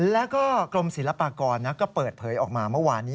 แล้วก็กรมศิลปากรก็เปิดเผยออกมาเมื่อวานนี้